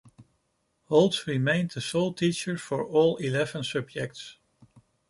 Holtz remained the sole teacher for all eleven subjects.